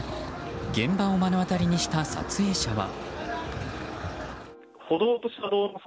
現場を目の当たりにした撮影者は。